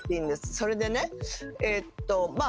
それでねえっとまあ